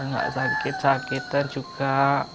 gak sakit sakitan juga